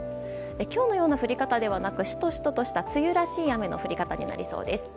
今日のような降り方ではなくシトシトとした梅雨らしい雨の降り方になりそうです。